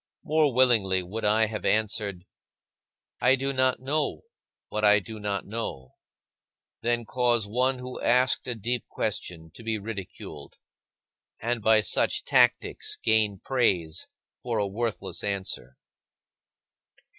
More willingly would I have answered, "I do not know what I do not know," than cause one who asked a deep question to be ridiculed and by such tactics gain praise for a worthless answer.